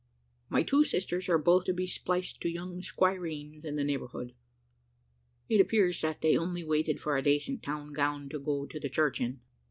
My two sisters are both to be spliced to young squireens in the neighbourhood; it appears that they only waited for a dacent town gown to go to the church in.